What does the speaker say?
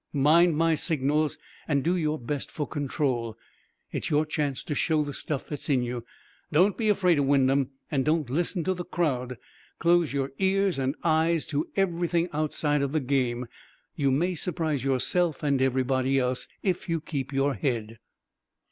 Mind my signals, and do your best for control. It's your chance to show the stuff that's in you. Don't be afraid of Wyndham, and don't listen to the crowd. Close your ears and eyes to everything outside of the game. You may surprise yourself and everybody else, if you keep your head."